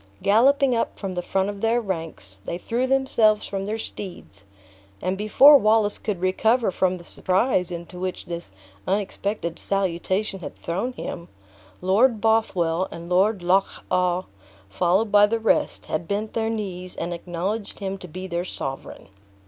Galloping up from the front of their ranks, they threw themselves from their steeds, and before Wallace could recover from the surprise into which this unexpected salutation had thrown him, Lord Bothwell and Lord Loch awe, followed by the rest, had bent their knees, and acknowledged him to be their sovereign.